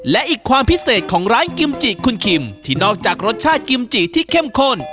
และอีกความพิเศษของร้านกิมจิคุณคิมที่นอกจากรสชาติกิมจิที่เข้มข้น